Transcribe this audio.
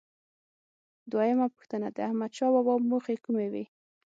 دویمه پوښتنه: د احمدشاه بابا موخې کومې وې؟